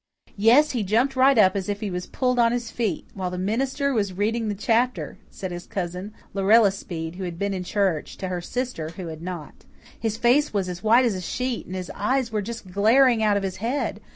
"Yes, he jumped right up as if he was pulled on his feet, while the minister was reading the chapter," said his cousin, Lorella Speed, who had been in church, to her sister, who had not. "His face was as white as a sheet, and his eyes were just glaring out of his head.